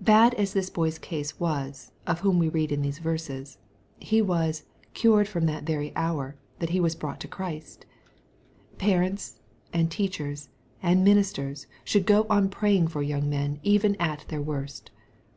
Bad as this boy's case was, of whom we read in these verses, he was ^^ cured from the very hour" that he was brought to Christ 1 Parents, and teachers, and ministers should go on praying for young men, even at their worst.